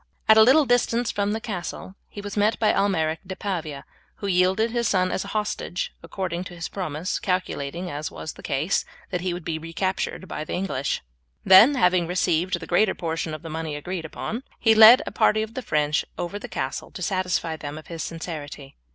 At a little distance from the castle he was met by Almeric de Pavia, who yielded his son as a hostage according to his promise, calculating, as was the case, that he would be recaptured by the English. Then, having received the greater portion of the money agreed upon, he led a party of the French over the castle to satisfy them of his sincerity.